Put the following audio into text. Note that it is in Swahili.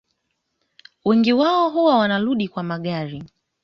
Wengi wao huwa wanarudi kwa magari